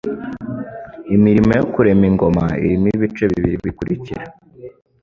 Imirimo yo kurema Ingoma irimo ibice bibiri bikurikira :